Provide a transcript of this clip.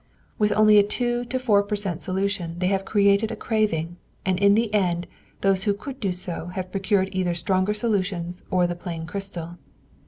With only a two or four per cent. solution, they have created a craving, and in the end those who could do so have procured either stronger solutions or the plain crystal.